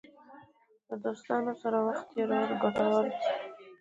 له دوستانو سره وخت تېرول ګټور دی.